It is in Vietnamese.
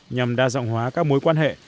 nhằm đa dạng hóa các mối quan hệ